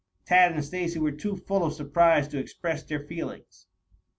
Tad and Stacy were too full of surprise to express their feelings.